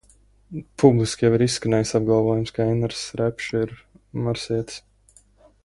Publiski jau ir izskanējis apgalvojums, ka Einars Repše ir marsietis.